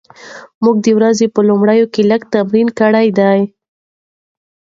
موږ د ورځې په لومړیو کې لږ تمرین کړی دی.